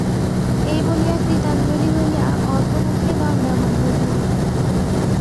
এই বলিয়া কৃতাঞ্জলি হইয়া অধোমুখে দণ্ডায়মান রহিল।